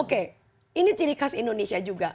oke ini ciri khas indonesia juga